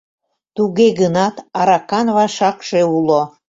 Туге гынат аракан вашакше уло...